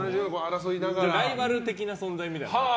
ライバル的な存在みたいな。